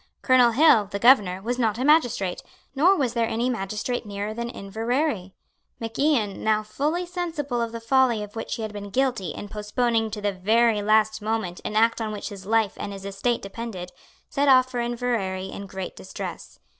Colonel Hill, the Governor, was not a magistrate; nor was there any magistrate nearer than Inverary. Mac Ian, now fully sensible of the folly of which he had been guilty in postponing to the very last moment an act on which his life and his estate depended, set off for Inverary in great distress.